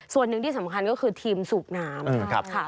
ส่วนหนึ่งที่สำคัญก็คือทีมสูบน้ำ